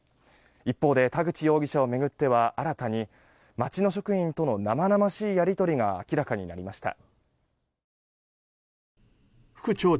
一方で田口容疑者を巡っては新たに町の職員との生々しいやり取りが明らかになりました。